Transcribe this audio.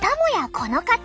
この方！